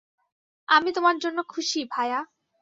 আমি তোমার জন্য খুশি, ভায়া।